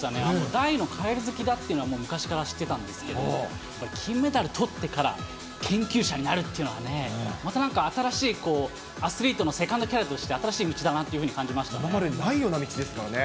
大のカエル好きだっていうのはもう昔から知ってたんですけど、金メダルとってから研究者になるっていうのはね、またなんか新しいアスリートのセカンドキャリアとして、新しい道だなというふう今までにないような道ですからね。